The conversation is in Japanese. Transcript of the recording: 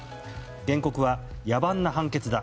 原告は野蛮な判決だ。